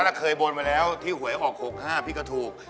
วันนั้นเคยบนมาแล้วที่หวยออกหกห้าพี่กระถูก